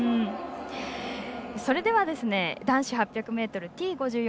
それでは、男子８００ｍＴ５４